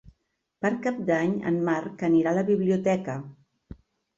Per Cap d'Any en Marc anirà a la biblioteca.